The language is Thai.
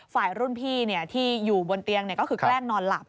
ฝ่ายรุ่นพี่ที่อยู่บนเตียงก็คือแกล้งนอนหลับ